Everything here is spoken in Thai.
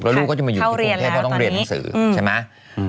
แล้วลูกก็จะมาอยู่ที่กรุงเทพเพราะต้องเรียนหนังสือใช่ไหม